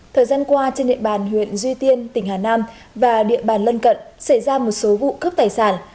thời gian qua trên địa bàn huyện duy tiên tỉnh hà nam và địa bàn lân cận xảy ra một số vụ cướp tài sản